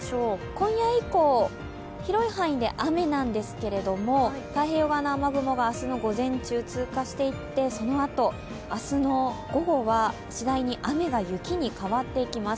今夜以降、広い範囲で雨なんですけれども太平洋側の雨雲が明日の午前中通過していってそのあと、明日の午後は次第に雨が雪に変わっていきます。